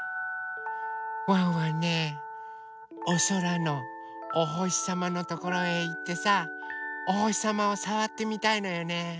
ワンワンねおそらのおほしさまのところへいってさおほしさまをさわってみたいのよね。